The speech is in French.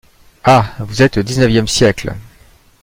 Ah! vous êtes le dix-neuvième siècle?